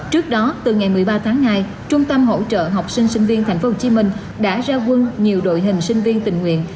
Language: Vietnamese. trước đó từ ngày một mươi ba tháng hai trung tâm hỗ trợ học sinh sinh viên tp hcm đã ra quân nhiều đội hình sinh viên tình nguyện